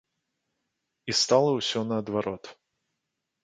І стала ўсё наадварот.